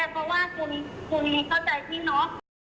บ้าว่าคุณเข้าใจที่เนอะ